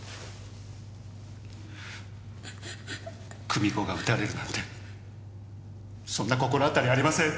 久美子が撃たれるなんてそんな心当たりありません。